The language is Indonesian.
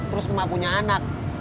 terus emak punya anak